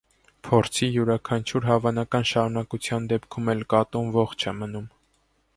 Փորձի յուրաքանչյուր հավանական շարունակության դեպքում էլ կատուն ողջ է մնում։